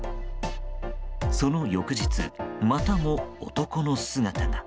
その翌日、またも男の姿が。